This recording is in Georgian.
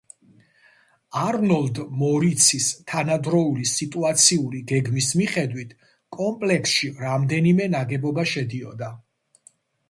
არნოლდ მორიცის თანადროული სიტუაციური გეგმის მიხედვით კომპლექსში რამდენიმე ნაგებობა შედიოდა.